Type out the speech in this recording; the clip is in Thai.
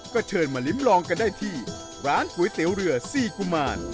ก็เชิญมาลิ้มลองกันได้ที่ร้านก๋วยเตี๋ยวเรือ๔กุมาร